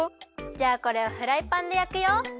じゃあこれをフライパンでやくよ。